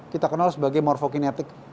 kita kenal sebagai morfokinetik